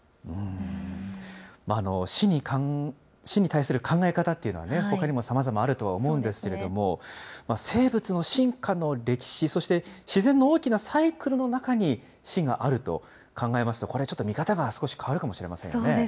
死に対する考え方というのはね、ほかにもさまざまあるとは思うんですけど、生物の進化の歴史、そして自然の大きなサイクルの中に死があると考えますと、これはちょっと見方が少し変わるかもしれませんね。